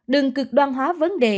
đừng cực đoan hóa vấn đề